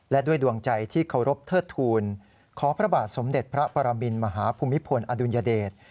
และด้วยดวงใจที่เคารพเทิดทูลขอพระบาทสมเด็จพระปรมินมหาภูมิพลอดุลยเดช